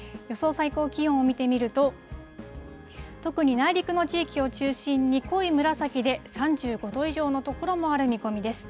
最高気温を見てみると、特に内陸の地域を中心に、濃い紫で３５度以上の所もある見込みです。